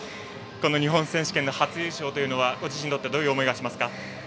日本選手権初優勝はご自身にとってどういう思いがしますか？